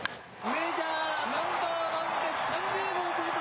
メジャーナンバーワンで３０号到達。